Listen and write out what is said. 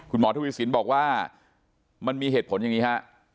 คุณหมอธุรกิจสินบอกว่ามันมีเหตุผลอย่างนี้ครับ